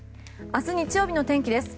明日日曜日の天気です。